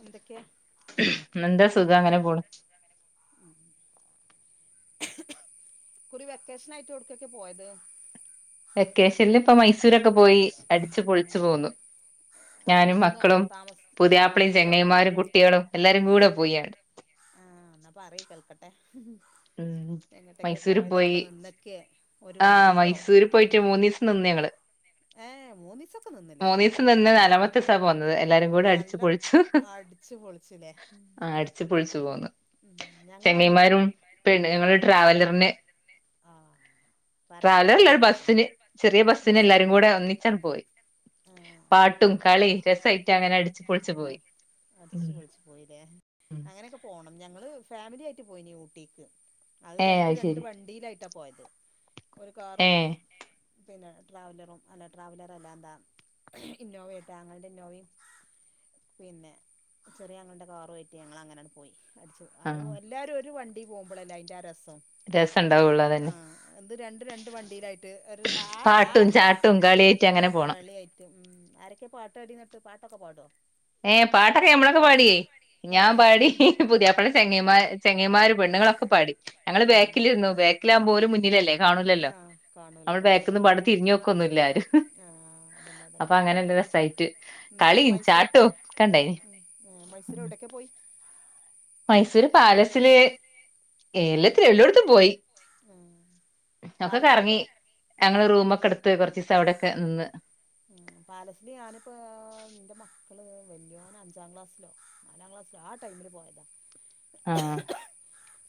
എന്തൊക്കെയ നെന്താ സുഖ അങ്ങനെ കോള ക്കുറി വെക്കേഷനായിട്ട് എവിടക്കൊക്കെയാ പോയത്? വെക്കേഷന്ലിപ്പ മൈസൂരൊക്കെ പോയി. അടിച്ചു പൊളിച്ചു പോന്നു. ഞാനും നിന്നോ മക്കളും താമസ പുതിയാപ്ലേം താമസിച്ചോ അതോ ചെങ്ങയിമാരും കുട്ടികളും എല്ലാരും കൂടെ പോയ്യാങ്ട്. ആഹ് എന്നാ പറയ് കേൾക്കട്ടെ ഉം എങ്ങട്ടൊക്കെ മൈസൂര് പോയത് പോയി. അവിടെ നിന്നൊക്കെ ഒരു ആ വണ്ടിയിലോ മൈസൂര് പോയിട്ട് മൂന്നീസം നിന്ന് ഞങ്ങള്. ഏ മൂന്നീസൊക്കെ നിന്നില്ലേ, ആ മൂന്നീസം നിന്ന് നല്ല നാലാമത്തെ ദിവസാ പോന്നത് എല്ലാരും കൂടെ അടിച്ചു നല്ല പൊളിച്ചു അടിച്ചു പൊളിച്ചുല്ലേ? ആഹ് അടിച്ചു പൊളിച്ചു ഞങ്ങളും അങ്ങനെ പോ പ്പെണ് ഞങ്ങള് ആഹ് ട്രാവലറിന് ആഹ് പറയണ്ടല്ലോ ട്രാവലർല്ല അയിന്റെ ഒരു രസം ബസ്സിന് ചെറിയ ബസ്സിന് എല്ലാരും ബസ്സിനല്ലേ കൂട് ടെ ഒന്നിച്ചങ്ട് പോയി, ആഹ് പാട്ടും നല്ല കളീം രസായിട്ടങ്ങനെ അടിച്ചു പൊളിച്ചു ആ പോയി. അടിച്ചു പൊളിച്ചു പോയില്ലേ റ്റു പോയിന് ഊട്ടിക്ക്. അത് ഏഹ് രണ്ടുരണ്ടു ശരി വണ്ടിയിലായിട്ട പോയത്. ഒരു കാറും ഏഹ് പിന്നെ ട്രാവലറും. അല്ല ട്രാവലറല്ല എന്താ ഇന്നോവ ആയ്ട്ട് ആങ്ങളുടെ ഇന്നോവയും പിന്നെ ചെറിയാങ്ങളുടെ കാറുവായിട്ട് ഞങ്ങളങ്ങനെയങ്ട് പോയി. അച്ചു അ ആഹ് ഉ എല്ലാരും ഒരു വണ് ണ്ടീ പോമ്പളല്ലേ അയിന്റാരസ് രസണ്ടാവുള്ളൂ അതന്നെ. ത് രണ്ട് രണ്ട് വണ്ടിയിലായിട് ര് ര് ആ പാട്ടും ആര്യാ ചാട്ടും കളിയായിട്ട് ഉം അങ്ങനെ പോണം കളിയായിട്ടും ഉം ആരൊക്കെ പാട്വാടിന്ന്ട്ട് പാട്ടൊക്കെ പാട്വോ? ഏ പാട്ടൊക്കെഞമ്മളൊക്കെ പാടിയേ, ഞാൻ ഏഹ് പാടി പുതിയാപ്ലെ ഏഹ് ചെങ്ങയിമാർ ചെങ്ങായിമാര് പെണ്ണുങ്ങളൊക്കെ പാടി ഞങ്ങള് ആഹ് ബാക്കിലിരുന്നു ബാക്കിലാകുമ്പോ ഓര് മുന്നിലല്ലേ കാണൂല്ലല്ലോ ആഹ് കാണൂല നമ്മള് കാണൂല ബാക്കിന്ന് പാട് ആഹ് തിരിഞ്ഞു നോക്കു ന്നുല്ലാരും. ആഹ് അതന്നെ അപ്പ അതന്നെ അങ്ങനന്തൊര സായിറ്റ് കളീം ചാട് ആ മൈസൂരെവിടൊക്കെ പോയി? മൈസൂര് പാലസില് ഏല്ലത്തില് എല്ലോടത്തും പോയി. ഉം ഒക്കെ പാലസിലൊക്കെ കറങ്ങി ഞങ്ങള് ഉം റൂമൊക്കെ എടുത്ത് കൊറച്ചീസം അവിടെക്കെ നിന്ന് പാലസില് ഞാനിപ്പോ എന്റെ മ ക്കള് വല്യോനഞ്ചാം ക്ലാസ്സിലോ നാലാം ക്ലാസ്സിലോ ആ ടൈമില് പോയതാ. ആ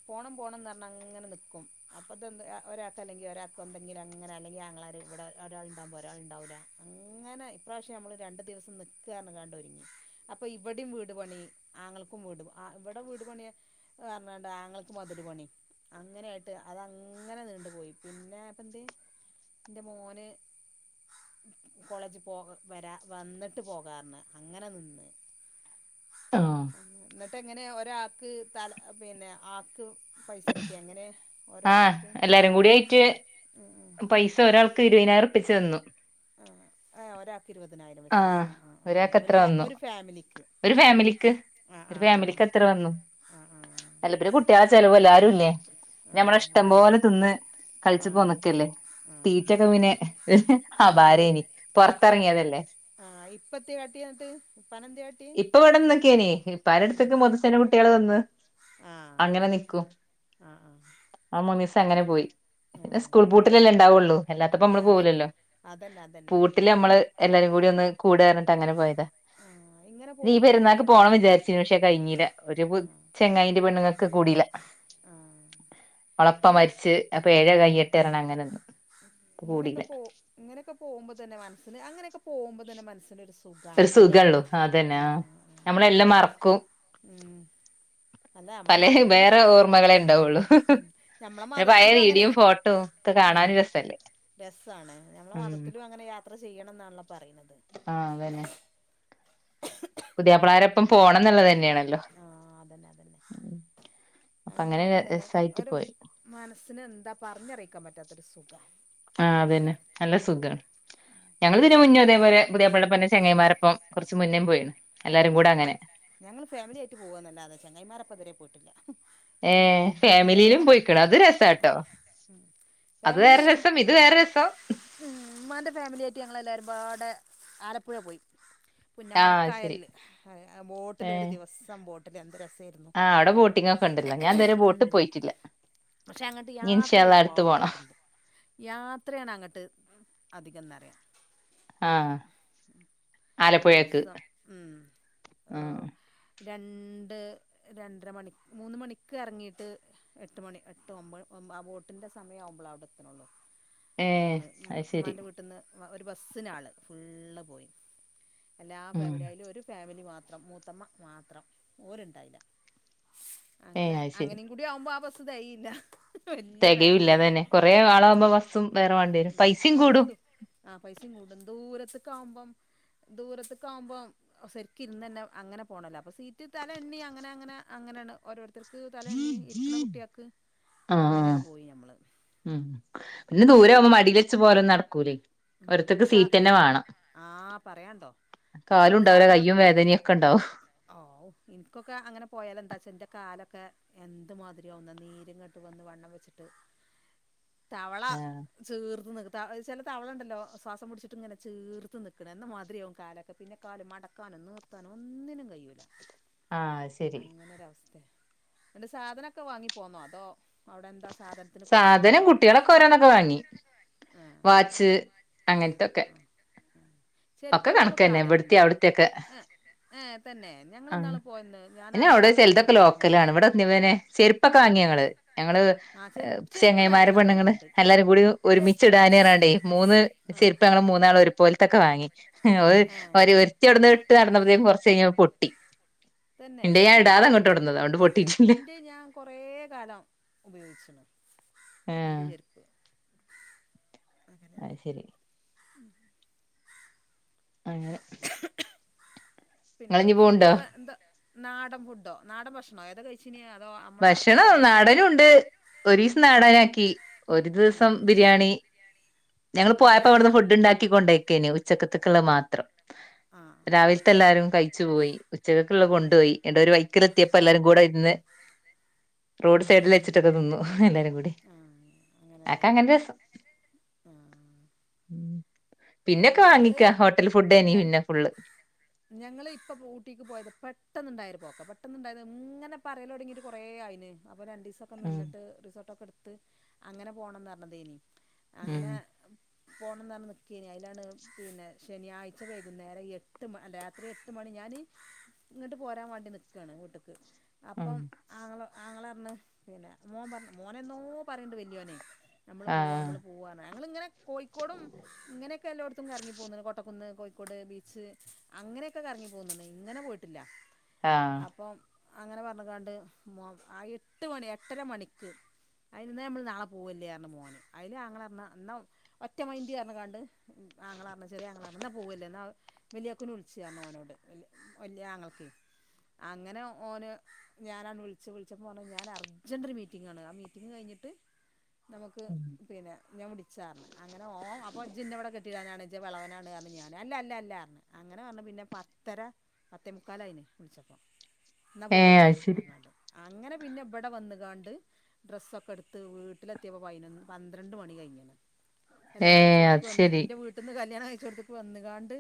പോണം പോണം എന്ന് പറഞ്ഞ അങ്ങനെ നിക്കാ ക്കും അപ്പത്തന്നെ ഒരാൾക്ക് അല്ലെങ്കിൽ ഒരാൾക്ക് എന്തെങ്കിലും അങ്ങനെ അല്ലെങ്കിൽ ആങ്ങളാര് ഇവിടെ ഒരാൾ ഉണ്ടാവകുമ്പോൾ ഒരാൾ ഉണ്ടാവില്ല അങ്ങനെ ഇ പ്രാവശ്യം നമ്മൾ രണ്ട് ദിവസം നിൽക്കുക കാണ്ട് ഒരുങ്ങി അപ്പൾ ഇവിടെയും വീട് പണി ആങ്ങൾക്കും വീട് ഇവിടെ വീട് പണി പർഞ്ഞാണ്ട് ആങ്ങൾക്കും മതില് പണി അങ്ങനായിട്ട് അതങ്ങനെ നീണ്ടു പോയി പിന്നെ അപ്പ എന്റെ എന്റെ മോന് കോളേജിൽ പോകവരാ വന്നിട്ട് പോകാന്ന് അങ്ങനെ നിന്ന് ആ എന്നിട്ട് എങ്ങനെ ഒരാൾക്ക് തല പിന്നെ ആക്ക് പൈസ എടുക്ക എങ്ങനെ ആഹ എല്ലാരും കൂടി ആയിട്ട് ഉം ഉം പൈസ ആ ഒരാൾക്ക് ഇരുപതിനായിരംരുപ്പായ വച്ചുത്തന്നു ആ ആ ഒരാൾക്ക് ഇരുപതിനായിരം വെച്ച് ആ ആ ആ ഒരാക്ക് ഒരു എത്ര വന്നു ഒരു ഫാമിലിക്ക് ഒരു ഫാമിലിക്ക് ആ ഒരു ആ ഫാമിലിക്ക് എത്ര വന്നു ആ ആ ആ ആ ആ ഞമ്മള അതന്നെ ഇഷ്ടംപ്പോലെ തിന്ന് ആ കളിച്ച പോന്നൊക്കല്ലേ ആ തീറ്റക്കെ പിന്നെ ആഹ ഭാരേനി പുറത്തിറങ്ങിയതല്ലേ ആഹ ഇപ്പത്തെക്കാട്ടിയിട്ട് ഇപ്പൊ ഇവിടെന്ന് നീക്കിയന ഇപ്പ ആരു ആ അടുത്തേക്ക് മുദുസേന കുട്ടികള് വന്ന് ആ അങ്ങനെ നിക്കും ആ ആ അങ്ങനെ പോയി ആ പിന്നെ സ്കൂൾ ആ പൂട്ടി ഉണ്ടാവുള്ളൂ അല്ലാത്തപ്പോ നമ്മള് അതന്നെ പോകുലല്ലോ അതന്നെ അതന്നെ പൂട്ടില് ഇൻ നമ്മള് എല്ലാരും കൂടി ഒന്ന് അങ്ങനെ പോയത് ആഹ് ഇങ്ങനെ നീ പോകുമ്പോ തന്നെ പെരുന്നാൾക്ക് അയിന്റെ പോകണം വിചാരിച്ചു പക്ഷെ കഴിഞ്ഞില്ല ഒരു ആഹ് ചങ്ങായിൻന്റെ പെണ്ണുങ്ങക്കെ കൂടയില്ലാ ആഹ് ഓൾ ഇപ്പം ഇങ്ങനെ മരിച്ച് അപ്പൊ എഴ് കഴിയട്ടെ തരണം അങ്ങനെന്നും ഇങ്ങനെയൊക്കെ പോ ഇങ്ങനെയൊക്കെ പോകുമ്പോ തന്നെ മനസ്സിന് അങ്ങനെയൊക്കെ പോകുമ്പോ തന്നെ മനസ്സിന്റെ ഒരു സുഖം ഒരു സുഖള്ളൂ അതന്നെ ആ ആഹ് നമ്മള്ള് എല്ലാം മറക്കും ഉം അല്ല നമ്മളെ പല മതത്തിലും വേറെ ഓർമ്മകളെ ഉണ്ടാവുള്ളു ഉം നമ്മളെ പിന്നെ പഴയ വീഡിയോയ്യും ഫോട്ടോയും ഒക്കെ കാണൻ രസം രസമാണ് ഞമ്മള്ള് മതത്തിലും അങ്ങനെ യാത്ര ചെയ്യണം എന്നാണല്ലോ പറയുന്നത് പുതിയപ്പള്ളകാര എപ്പം പോകണം എന്നുള്ളത്തന്നെ ആഹ അതന്നെ അതന്നെ അപ്പൊ അങ്ങനെ ആകുമ്പോ തന്നെ രസായിട്ട് ഒരു പോയി മാനം മനസിന് എന്താ പറഞ്ഞറിയിക്കാൻ പറ്റാത്തൊരു സുഖം ആ അത്‌ തന്നെ നല്ല സുഖമാണ് ഞങ്ങൾ പിന്നെ മുന്ന് അതേപോലെ പുതിയപ്പള്ളപ്പന്നെ ചെങ്ങയാ മാരോപ്പം കുറച്ച് മുന്നേയും പോയിണ് എല്ലാരും കൂടെ അങ്ങനെ ഫാമിലിയായിട്ട് പോക അല്ലാത ചങ്ങയായിമാരുടെയൊപ്പം പോയിട്ടില്ല ഏ ഇപ്പൊ മോ മോ ഫാമിലിയിലും പോയിക്കണ അത് രസാട്ടോ അത് ഫാമിലി വേറെ രസം ഇത് വേറെ രസം ഒരുപാട് ആലപ്പുഴ പോയി ആഹ് ശരി പുന്നമടക്കായൽല് ബോട്ടിൽ ഒരു ഏഹ് ദിവ സം ബോട്ട് ല് എന്ത് രസ് സേര്ന്നു. ആഹ് അവിടെ ബോട്ടിംഗ് ഒക്കെ ഉണ്ടല്ലോ ഞാൻ ഇതുവരെ ഉം ബോട്ടിൽ പോയിട്ടില്ല പക്ഷെ അങ്ങട്ട് ഇനി ഇൻഷാ യാത്ര അള്ളാ അടുത്ത് പോണം ഒരുപാട്ണ്ട്. യാത്രയാണ് അങ്ങട്ട് അധികം ന്നറിയാ. ആഹ് ഒരു ആലപ്പുഴക്ക് ദിവസം ഉം ഉം രണ്ട് രണ്ടര മണി മൂന്ന് മണിക്ക് എറങ്ങീട്ട് എട്ട് മണി എട്ട് ഒമ്പ് ആ ബോട്ടിന്റെ സമയം ആവുമ്പളാ അവിടെ എത്തണുള്ളു. ഏഹ് ഞങ്ങള് ഉം അത് ശരി ഉമ്മാന്റെ വീട്ട്ന്ന്. ഒരു ബസ്സിന് ആള് ഫുള്ള് പോയി. എല്ലാ ഉം ഫാമിലിം അതില് ഒരു ഫാമിലി മാ ത്രം മൂത്തമ്മ മാ ത്രം ഓരെണ്ടായില്ല. അങ്ങനെ ഏഹ് അത് ശരി അങ്ങനെയും കൂടി ആവുമ്പോ ആ ബസ് തെകയില്ല വല്ല്യ തികയൂല്ല ഫാമിലിയല്ലേ അതന്നെ കൊറേ ഉം ആളാവുമ്പോ ബസ്സും ഉം വേറെ വേണ്ടി വരും ഉം ആ പൈസയും പിന്നെ കൂടും ദൂ ആ പൈസയും കൂടും ദൂരത്ത് ക്കാവുമ്പം ദൂരത്തക്ക് ആകുമ്പം ശരിക്ക് ഇരുന്ന് തന്നെ അങ്ങനെ പോണോല്ലാ അപ്പൊ സീറ്റ് തല എണ്ണി അങ്ങനെ അങ്ങനെ അങ്ങനേണ് ഓരോരു ത്തർക്ക് തല എണ്ണീ ഇരിക്കണ കുട്ടികക്ക് ആഹ് അങ്ങനെയട് പോയി ഞമ്മള്. ഉം പിന്നെ ദൂരെ ആവുമ്പോ മടിൽ വെച്ച് പോരലൊന്നും നടക്കൂലേ ഉം എന്നിട്ട് ഓരോരുത്തർക്ക് സാ സീറ്റ് തന്നെ വേണം ആ പറയാണ്ടോ കാലും ഉണ്ടാവൂല സാധനം കയ്യും വേദനയും ഒക്കെ ഉണ്ടാവും ഔ എനിക്കൊക്കെ അങ്ങനെ പോയാലെന്താച്ചാ എന്റെ കാല ക്കെ എന്ത് മാതിരി ആവുംന്ന നീരിങ്ങട്ട് വന്ന് വണ്ണം വെച്ചിട്ട് തവള ആഹ് ചീർത്ത് നി [unintelligible] ഇ തവളണ്ടല്ലോ ശ്വാസം പിടിച്ചിട്ട് ഇങ്ങനെ ചീർത്ത് നിൽക്കണ് എന്ന് മാതിരിയാവും കാലൊക്കെ പിന്നെ കാല് മടക്കാനും നീർത്താനും ഒന്നിനും കഴിയൂല ആ ശരി ആണ്ട് സാധനൊക്കെ വാങ്ങിപ്പോന്നോ അതോ അവിടെ എന്താ സാധനത്തിന് സാധനം കുറവുണ്ടോ കുട്ടികളൊക്കെ ഓരോന്നൊക്കെ വാങ്ങി ആഹ് വാച്ച് അങ്ങനത്തൊക്കെ ഒക്കെ ചെരുപ്പുകൾക്കൊക്കെ കണക്കന്നെ ആദായുണ്ട് ഇവിടുത്തെ ഏ തന്നെ ഞങ്ങൾ ആ ഇന്നാള് പോയന്ന് ഞാൻ പിന്നെ അന്നാ അവിടെ പോയി ചിലതൊക്കെ പറഞ്ഞില്ലേ മോന് ലോക്കലാണ് ഇവിടെ പിന്നെ ചെരുപ്പൊക്കെ വാങ്ങി ഞങ്ങള് ഞങ്ങള് ആഹ് ചെരുപ്പ് ചെരുപ്പ് ചെങ്ങൈമാര് പെണ്ണുങ്ങള് നല്ലതാണുണ്ട് എല്ലാരും കൂടി ഒരുമിച്ച ചെരുപ്പ് ഇടാന് പറണ്ട് മൂന്ന് ആഹ് ചെര്പ്പ്‌ ഞങ്ങൾ മൂന്നാൾ ഒരു പോല്ത്തക്ക വാങ്ങി ഒര് ഏഹ് ഒര്ത്തി അവ്ട്ന്ന് ഇട്ട് നടന്നപ്പോത്തെക്കും കുറച്ച് കഴിഞ്ഞപ്പോ ട്ടി തന്നെ ഇന്റെ ഒക്ക കൊ അതുകൊണ്ട് പൊട്ടിയിട്ടില്ല ഇന്റെ ഞാൻ കൊറ കാലം ഉപയോഗിച്ചിണ് ഇന്റെ ആഹ് ചെരുപ്പ് അ അങ്ങനെയാണ് ശരി അങ്ങനെ പിന്നെ നിങ്ങളിഞ്ഞി പോവ്ണ്ടോ ഫുഡൊക്കെ എന്താ നാട ഫുഡോ നാടൻ ഭക്ഷണോ ഏതോ കഴിച്ചിനോ ഭക്ഷണം നാടനും ഉണ്ട് ഒരു ദിവസം നാടാനാക്കി ഒരു ആ ദിവസം ബിരിയാണി ആ ഞങ്ങൾ പോയപ്പോ അതാ അവിടുന്ന് ഞമ്മ ഫുഡ് ഉണ്ടാക്കി കൊണ്ടോക്കേന് ഉച്ചക്കത്തക്കുള്ള മാത്രം ആ ആ രാവിലത്തെ എല്ലാരും കഴിച്ചു പോയി ഉച്ചകൊക്കെുള്ള കൊണ്ടുപോയി എന്റെ ഒരു വൈക്കർ എത്തിയപ്പപ്പോ എല്ലാരും കൂടെ ഇരുന്ന് റോഡ് സൈഡിൽ വച്ചിട്ടൊക്കെ നിന്നു എല്ല കുടി ഓക്കേ അങ്ങനെല്ലേ അങ്ങനെ രസം ആ പിന്നെ പിന്നൊക്കെ ഞങ്ങള് വാങ്ങിക്ക ഹോട്ടൽ ഫുഡേനി ഞ പിന്നെ ഫുള്ള് ഞങ്ങള് ഇപ്പ ഊട്ടിക്ക് പോയത് പെട്ടെന്നുണ്ടായിരുന്നു പോക്ക പെട്ടുണ്ടായിരുന്നു ഇങ്ങനെ പറയില്ലോടങ്ങിട്ട് കുറേ ആയിന് അപ്പോ രണ്ട് ദിവസ ഒക്ക ഉം നിന്നട്ട് റിസോട്ട്ക്കെ ഇ ത്ത് അങ്ങനെ പോണന്ന് പറഞ്ഞത്തെന്നേയി ഉം അങ്ങനെ പോണ അതിലാണ് പിന്നെ ശനിയാഴ്ച വൈകുന്നേരം എട്ട് മ രാത്രി എട്ട് മണി ഞാന് ഇങ്ങോട്ട് പോരാൻ വേണ്ടി നിൽകയാണ് വീട്ടക്ക് ഉം അപ്പം ആങ്ങള ആങ്ങള പിന്നെ മോൻ പറഞ്ഞ മോന എന്നോ പറയണ്ട് വല്യോനെ നമ്മള് പോവാ ആഹ് നമ്മള് പോവാണ് ഞങ്ങിങ്ങനെ കോഴിക്കോടും ഇങ്ങനെയൊക്കെ എല്ലായിടത്തും കറങ്ങിപ്പോകുന്നുണ്ട് കൊട്ടക്കുന്ന് കോഴിക്കോട് ബീച്ച് അങ്ങനെയൊക്കെ കറങ്ങിപ്പോന്നുന്ന് ഇങ്ങനെ പോയിട്ടില്ല ആ അപ്പം അങ്ങനെ പറഞ്ഞ കാണ്ട് മോ ആ എട്ട് മണി എട്ടര മണിക്ക് അതിൽ നിന്ന് നമ്മൾ നാളെ പോവല്ലായിരുന്നു മോന് അതിൽ അങ്ങള എന്നാൽ ഒറ്റ മൈൻ കണ്ട് അങ്ങളറിഞ്ഞ ചെറിയ അങ്ങള എന്നാൽ പോവല്ലേ എന്നാൽ വലിയക്കുനെ വിളിച്ച [unintelligible] ഓനോട് വലി വലിയ ആങ്ങൾക്ക് അങ്ങനെ ഓന് ഞാന വിളിച്ച വിളിച്ചപ്പോൾ പറഞ്ഞ ഞാൻ അർജൻറ് ഒരു മീറ്റിംഗങ്ങണ് ആ മീറ്റിംഗ കഴിഞ്ഞിട്ട് നമുക്ക് പിന്നെ ഞാൻ വിളിച്ച പറഞ്ഞെ അങ്ങനെ ഓ [unintelligible] ഇജ്ജെനെ ഇവിടെ കേടിടനെന്നെ ഇജ്ജ് വിളവനാണന്നെ പറഞ്ഞെ ഞാൻ അല്ല അല്ല അല്ല അങ്ങനെ പറഞ്ഞ് പിന്നെ പത്തര പത്തേ മുക്കാലായിന് വിളിച്ചപ്പം എന്നാ ഏഹ് പോവല്ലേ അത് ശരി പറഞ്ഞിടെ അ അങ്ങനെ പിന്നെ ഇവിടെ വന്നുകാണ്ട് ഡ്രസ്സൊക്കെ എടുത്ത് വീട്ടിലെത്തിയപ്പോൾ പതിനൊന്ന് പന്ത്രണ്ട് മണി കഴിഞ്ഞിനെ കല്യാ ഏഹ് ഴിച്ചോടെതെക്കെ അത് വന്ന് ശരി എന്റെ വീട്ട നിന്ന് കല്യാ കഴിച്ചടതൊക്കെ വന്നുകാണ്ട്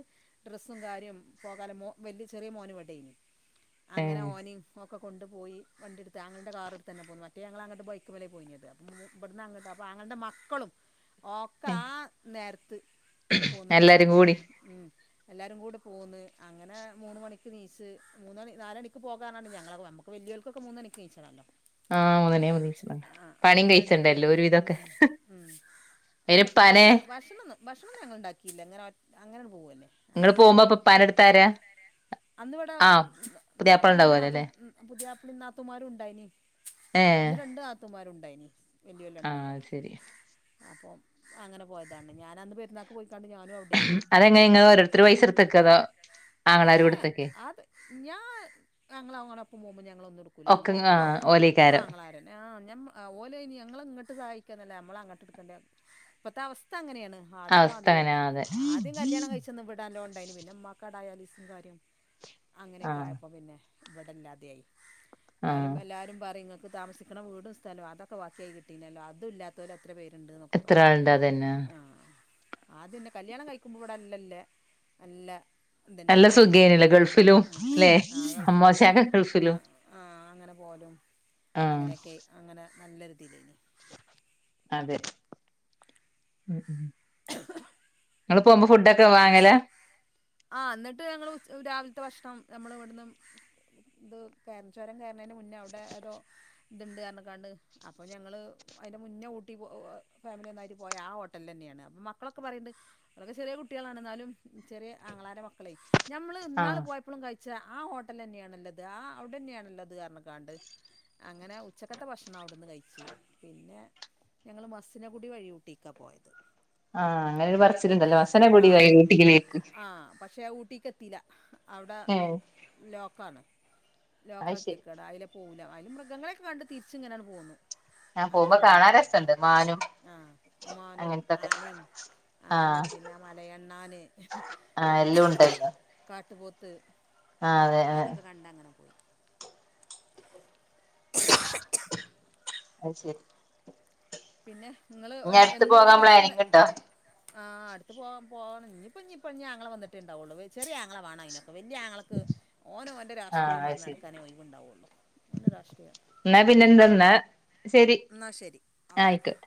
ഡ്രസ്സും കാര്യം പോകാലെ മോ വലിയ ചെറിയ മോനെ ഇവിടെ അങ്ങനെ ഏഹ് ഓനിൻഫൊ ഒകെ കൊണ്ട് പോയി വണ്ടിട്ത് ആങ്ങളൻ്റെ കാറ്ട്ത്തെന്നെ പോന്ന് മറ്റെ ഞങളങ്ങട്ട് ബൈക്ക്മ്മലേ പോയീനിയത് അപ്പം മൂ ബട്ന്നങ്ങട്ട് അപ്പം ആങ്ങളൻ്റെ മക്കളും ഓക്കാ നേരത്ത് പോന്ന്ങ്ങട്ട് എല്ലാരും കൂടി ഉം. എല്ലാരും കൂടെ പോന്ന് അങ്ങനെ മൂന്ന്മണിക്ക് ന്നീച് മൂന്നണി നാലണിക് പോകാർഞാണ്ട് ഞങ്ങളൊകെ പർഞ് അമ്മക് വെല്ല്യോ ൽകൊകെ മൂന്നണിക് ന്നീച്ചണല്ലൊ ആ മൂന്നണിയാവുംബ ന്നീച്ച്ണല്ലൊ പണിം അങ്ങനെ എണീറ്റ് കയ്ചണണ്ടെര്ലെ ഒര് ഉം വിധൊകെ ഉം അയ്ന് ഇപ്പാനെ ഭക്ഷണൊന്നും ഞങ്ങൾ ഇണ്ടാക്കീല്ല ഇങ്ങനെ ഒറ്റ് അങ്ങനാണ്ട് പോവന്നെ ഇങ്ങള് പോവുമ്പ അപ ഇപ്പാൻ്റെട്ത്താരാ അന്നിവിടെ ആ പുതിയാപളണ്ടാ വുഅല്ലൊലെ ന്നാത്തൂമാരുണ്ടായീനി അന്ന് രണ്ട് ന്നാത്തൂൻമാരുണ്ടായീനി ആ അഹ് ശരി അപ്പം അങ്ങനെ പൊ പോയതാണ് ഞാനന്ന് പെര്ന്നാക്ക് പോയി ക്കാണ്ട് ഞാനൂ ഔടേനി അതെങ്ങനെ ഇങ്ങള് ഓരോരുത്തര് പൈസ എടുത്തക്കോ അതോ ആങ്ങളാര് ഏ കൊടുത്തക്കേ അത് ഞാൻ ഞങ്ങളങ്ങനൊപ്പം പോവുംബം ഞങ്ങളൊന്നുട്കൂല ഒക്കെ ഒകെ ആഹ് ഓലേക്കാരം ഒക്കാങ്ങളാരെന്നെ ആ ഞമ്മ ഓലയിന് ഞങ്ങളെങ്ങട്ട് സഹായിക് കെ ഒന്നുഅല്ല അമ്മളങ്ങട്ട് ഇട്കണ്ട ഇപ്പത്തവസ് ഇപ്പങ്ങനേണ് അവസ്ഥ അങ്ങനെ ആദ്യത്തെമാതിരിഅല്ല അതെ ആദ്യം കല്ല്യാണം കയിചന്ന് ഇവടല്ലോണ്ടാ യീനി പിന്നെ ഇമ്മാകാടായാലി കാര്യം അങ്ങനെയൊക്കെ ആഹ് ആയപ്പോ പിന്നെ ഇവടെല്ലാതെയായി ആഹ് ന്നാലും എല്ലാരും പറിം ങ്ങക് ങ്ങക്ക് താമസിക്ക്ണ വീടും സ്ഥലൊം അതൊക്ക വാക്കിയായി കിട്ടീണല്ലോ അതുല്ലാത്തോരവ എത്ര ആൾണ്ട് അതെന്നെ ആദ്യന്നെ കല്യാണം കഴിക്കുമ്പോ ഇവിടെ അല്ല ല്ലേ നല്ല നല്ല തന്നേനി സുഖേനില്ലേ ഉം ഗൾഫിലും ഉം ല്ലേ ആ ഗൾഫിലും അമ്മോശാക്ക അ ഗൾഫിലും ആ അങ്ങനെ പോവലും ആഹ് അങ്ങനൊകേ അങനെ നല്ലൊര് [inaudible] അതെ ഉം ഉം നിങ്ങൾ പോവുമ്പോ ഫുഡൊക്കെ വാങ്ങലാ ആ ന്ന്ട്ട് ഞങ്ങള് രാവിൽത്തെ ഭക്ഷണം നമ്മൾ ഇവട്ന്ന് ഇത് കയ ചൊരം കയർ ര്ണേൻ്റെ മുന്നെ അവടെ ഏതോ ഇത്ണ്ട് അർഞ്ക്കാണ്ട് അപ്പോ ഞങ്ങള് അയിൻ്റെ മുന്നെ ഊട്ടി ഫാമിലി ഒന്നായിട്ട് പോയ ആ ഹോട്ടൽല്ലെന്നേണ് മക്കളൊക്കെ പറിണ്ട് അന്നൊക്കെ ചെറിയ കുട്ടികളാണ് ന്നാലും ചെറിയേ ആങ്ങളാരെ മക്കളേയ് ഞമ്മള് ഇന്നാള് ആഹ് പോയപ്പളും കഴി ച്ച ആ ഹോട്ടലെന്നേണല്ലൊത് ആ ഔടെന്നേണല്ലൊത് അർഞ്കാണ്ട് അങ്ങനെ ഉച്ചകത്തെ ഭക്ഷണം ഔട്ന്ന് കയിച്ച് പിന്നെ ഞങ്ങള് മസനകുടി വഴി ഊട്ടീക്ക പോയത് ആ അങ്ങനെരു പറച്ചിലുണ്ടല്ലോ അസ്സന പുടി വയേ വീട്ട്ക്ക് നിക്ക് ആ പക്ഷെ അഹ് ഊട്ടിക്ക് എത്തീല അവ്ടെ ഏഹ് ലോക്കാണ് അത് ലോക്കാക്കി ശരി വെക്കാണ് അയിലേ പോവൂല്ല അയ്ല് മൃഗങ്ങളേക്ക കണ്ട് തിരിച്ച് ഇങ്ങനെയാണ് പോകുന്നു ഞാൻ അങ്ങനെ പോകുമ്പോ കാണാൻ പോന്ന്‌ക്ക രസണ്ട് മാനും ആഹ ഒമാനും അങ്ങനത്തൊക്കെ ആനിം ആനിം പിന്നെ മലയണ്ണാന് ആ എല്ലും ഉണ്ടല്ലോ കാട്ടുപോത്ത് ആഹ് അതെ അതെ അതൊക്കെ കണ്ട് അങ്ങനെ പോയി അയ് ശരി പിന്നെ ഇങ്ങള് ഇഞ്ഞി അടുത്ത് പോകാൻ പ്ലാനിങ് ഇണ്ടോ ആ അടുത്ത് പോവാ പോണം ഇഞ്ഞിപ്പം ഇഞ്ഞപ്പം ഇഞ്ഞി ആങ്ങള വന്നിട്ടേണ്ടാവൊള്ളു വേ ചെറിയ ആങ്ങള വാണം അയ്ന് വല്യ ആങ്ങളക്ക് ഓന് ഓന്റെ ആഹ് രാഷ്ട്രീയും അത് ശരി പറഞ്ഞടുക്കാനേ ഒഴിവുണ്ടാവൊള്ളും ഓന്റെ രാഷ്ട്രീയം എന്നാ പിന്നെ എന്താ എന്നാ ശരി ന്നാ ശരി ഓക്കെ ആയിക്കോട്ടെ